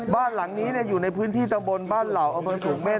บ้านหลังนี้อยู่ในพื้นที่ตำบลบ้านเหล่าอำเภอสูงเม่น